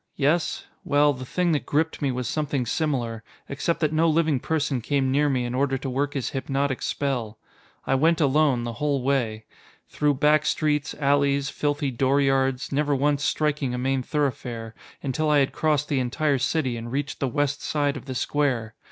Yes? Well, the thing that gripped me was something similar except that no living person came near me in order to work his hypnotic spell. I went alone, the whole way. Through back streets, alleys, filthy dooryards never once striking a main thoroughfare until I had crossed the entire city and reached the west side of the square.